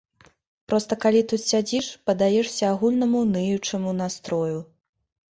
Проста калі тут сядзіш, паддаешся агульнаму ныючаму настрою.